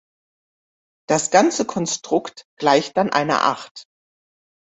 Das ganze Konstrukt gleicht dann einer Acht.